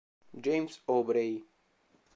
James Aubrey